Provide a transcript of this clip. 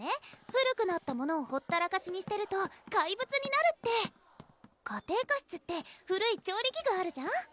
古くなったものをほったらかしにしてると怪物になるって家庭科室って古い調理器具あるじゃん？